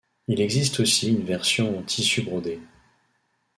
Il existe aussi une version en tissu brodé.